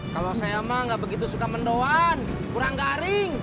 kalau saya emang nggak begitu suka mendoan kurang garing